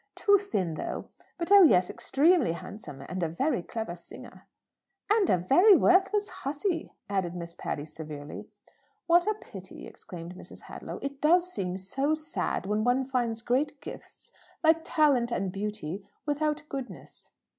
Too thin, though. But, oh yes; extremely handsome. And a very clever singer." "And a very worthless hussey," added Miss Patty severely. "What a pity!" exclaimed Mrs. Hadlow. "It does seem so sad when one finds great gifts, like talent and beauty, without goodness!"